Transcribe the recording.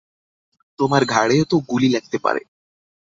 তোমার ঘাড়েও তো গুলি লাগতে পারে।